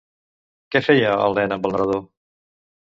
Què feia el nen amb el narrador?